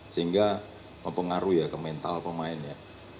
sehingga mempengaruhi ya ke mental pemainnya